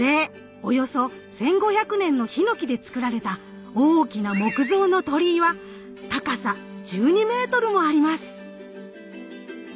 およそ１，５００年のヒノキで作られた大きな木造の鳥居は高さ１２メートルもあります。